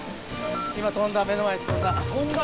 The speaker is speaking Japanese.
今跳んだ目の前跳んだ。